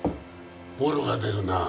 ボロが出るな。